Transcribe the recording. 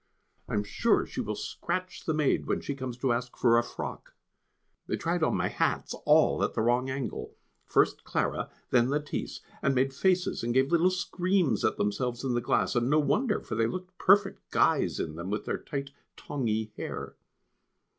I am sure she will scratch the maid when she comes to ask for a frock. They tried on my hats all at the wrong angle, first Clara, then Lettice, and made faces and gave little screams at themselves in the glass, and no wonder, for they looked perfect guys in them, with their tight "tongy" hair.